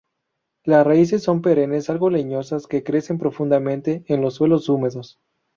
Las raíces son perennes algo leñosas que crecen profundamente en los suelos húmedos.